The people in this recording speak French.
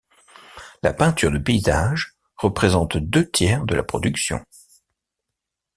La peinture de paysage représente deux tiers de la production.